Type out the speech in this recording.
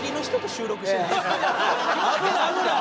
危ない危ない！